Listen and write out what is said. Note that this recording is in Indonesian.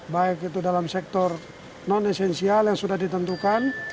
baik itu dalam sektor non esensial yang sudah ditentukan